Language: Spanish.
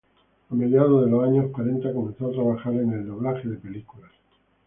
A mediados de los años cuarenta comenzó a trabajar en el doblaje de películas.